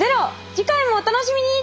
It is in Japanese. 次回もお楽しみに！